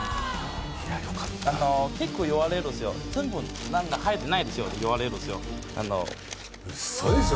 あの結構言われるんですよ全部入ってないでしょって言われるんですよ